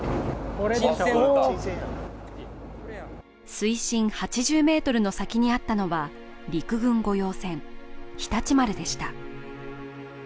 水深８０ｍの先にあったのは、陸軍御用船「常陸丸」でした。